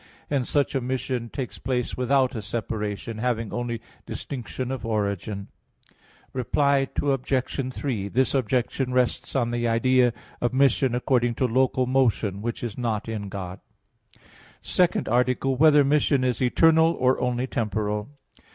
Hence such a mission takes place without a separation, having only distinction of origin. Reply Obj. 3: This objection rests on the idea of mission according to local motion, which is not in God. _______________________ SECOND ARTICLE [I, Q. 43, Art. 2] Whether Mission Is Eternal, or Only Temporal?